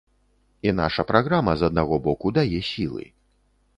І наша праграма, з аднаго боку, дае сілы.